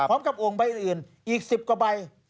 พร้อมกับองค์ใบอื่นอีก๑๐กว่าใบ